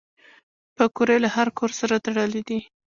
پکورې له هر کور سره تړلي دي